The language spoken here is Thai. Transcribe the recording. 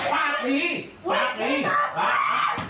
วาดผีสาหกรอยไปนี่